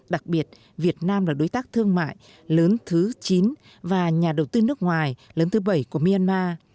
đặc biệt việt nam là đối tác thương mại lớn thứ chín và nhà đầu tư nước ngoài lớn thứ bảy của myanmar